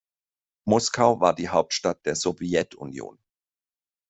Moskau war die Hauptstadt der Sowjetunion.